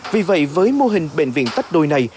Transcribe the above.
vì vậy với mô hình bệnh viện tách đôi này